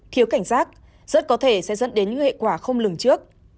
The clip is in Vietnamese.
thiếu cảnh giác rất có thể sẽ dẫn đến những hệ quả không lường trước